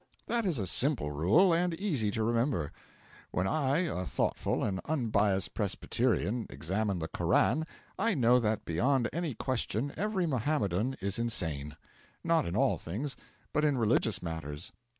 That is a simple rule, and easy to remember. When I, a thoughtful and unbiased Presbyterian, examine the Koran, I know that beyond any question every Mohammedan is insane; not in all things, but in religious matters.